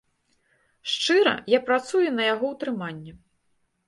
Шчыра, я працую на яго ўтрыманне.